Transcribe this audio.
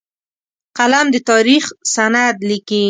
قلم د تاریخ سند لیکي